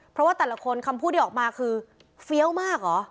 เพราะว่าแต่ละคนคำพูดที่ออกมาคือเฟี้ยวมากเหรอ